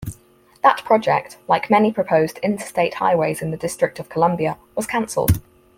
That project, like many proposed interstate highways in the District of Columbia, was canceled.